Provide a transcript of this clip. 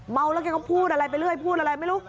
เมาแล้วแกก็พูดอะไรไปเรื่อยพูดอะไรไม่รู้